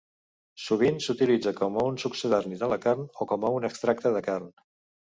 Sovint s'utilitza com a un succedani de la carn o com a un extracte de carn.